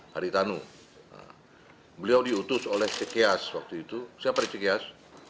haritanu beliau diutus oleh cks waktu itu siapa di cks